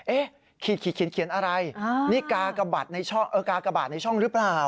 เอ๊ะเขียนอะไรนี่การ์กระบาดในช่องหรือเปล่า